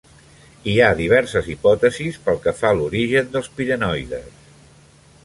Hi ha diverses hipòtesis pel que fa a l'origen dels pirenoides.